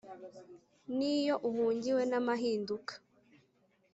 N’iyo uhungiwe n’amahinduka